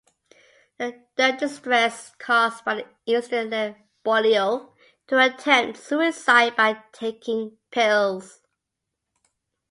The distress caused by the incident led Boileau to attempt suicide by taking pills.